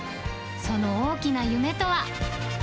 その大きな夢とは。